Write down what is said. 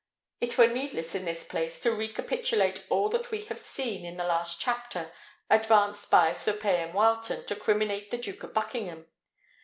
It were needless in this place to recapitulate all that we have seen, in the last chapter, advanced by Sir Payan Wileton to criminate the Duke of Buckingham.